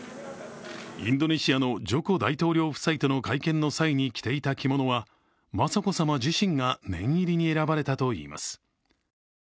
インドネシアのジョコ大統領夫妻との会見の際に着ていた着物は雅子さま自身が念入りに選ばれたといいます。